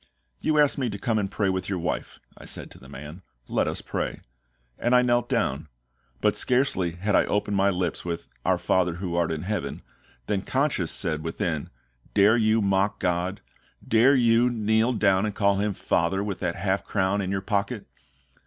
"You asked me to come and pray with your wife," I said to the man, "let us pray." And I knelt down. But scarcely had I opened my lips with "Our FATHER who art in heaven" than conscience said within, "Dare you mock GOD? Dare you kneel down and call Him FATHER with that half crown in your pocket?"